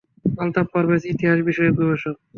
আলতাফ পারভেজ ইতিহাস বিষয়ে গবেষক